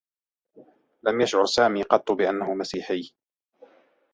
لم يشعر سامي قطّ بأنّه مسيحي.